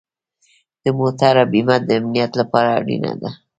د موټر بیمه د امنیت لپاره اړینه ده.